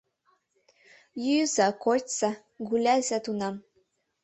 Йӱза, кочса, гуляйыза тунам!